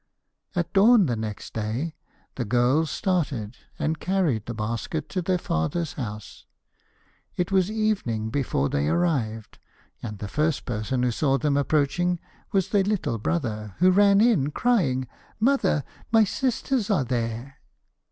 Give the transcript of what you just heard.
At dawn the next day the girls started and carried the basket to their father's house. It was evening before they arrived, and the first person who saw them approaching was their little brother, who ran in, crying, 'Mother, my sisters are there.'